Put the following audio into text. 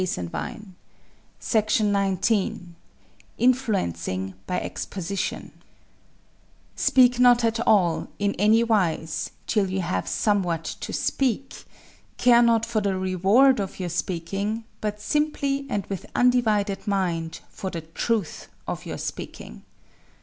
241.] CHAPTER XIX INFLUENCING BY EXPOSITION Speak not at all, in any wise, till you have somewhat to speak; care not for the reward of your speaking, but simply and with undivided mind for the truth of your speaking.